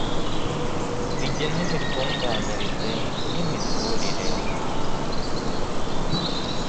RIGENA IMITUNGANYIRIZE Y IMITURIRE